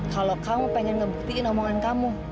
kalau kamu pengen ngebuktiin omongan kamu